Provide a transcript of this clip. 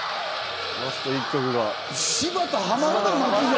ラスト１曲が。